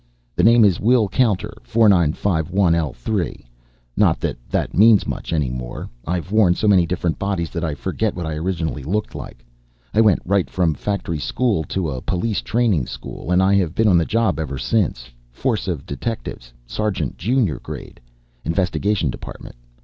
"The name is Wil Counter 4951L3, not that that means much any more. I've worn so many different bodies that I forget what I originally looked like. I went right from factory school to a police training school and I have been on the job ever since Force of Detectives, Sergeant Jr. grade, Investigation Department.